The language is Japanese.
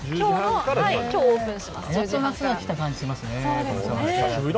やっと夏が来た感じがしますね。